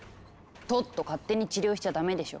トット勝手に治療しちゃダメでしょ。